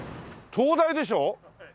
東大でしょ？